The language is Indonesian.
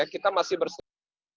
kita masih bersih